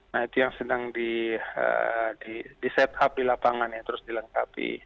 nah itu yang sedang di set up di lapangan yang terus dilengkapi